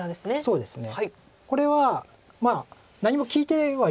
そうですね。